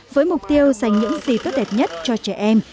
với mục tiêu dành những gì tốt đẹp nhất cho trẻ em